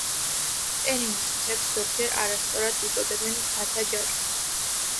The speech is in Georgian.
პენინის მთებს ზოგჯერ არასწორად უწოდებენ მთათა ჯაჭვს.